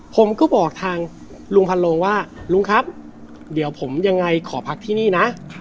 ผมก็บอกทางลุงพันโลงว่าลุงครับเดี๋ยวผมยังไงขอพักที่นี่นะ